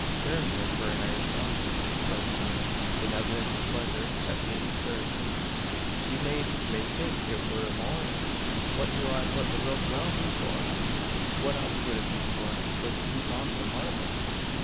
"Durn ye for a Irish donkey!" exclaimed Stump, in evident displeasure at being disturbed; "ye made me think it war mornin'! What do I put the rope roun' me for? What else wud it be for, but to keep off the varmints!"